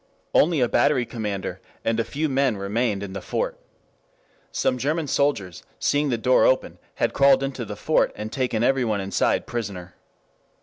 Only a battery commander and a few men remained in the fort. Some German soldiers, seeing the door open, had crawled into the fort, and taken everyone inside prisoner.